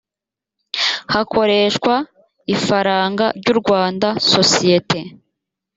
hakoreshwa ifaranga ry u rwanda sosiyete